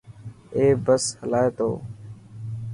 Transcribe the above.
اي بس هلائي تو.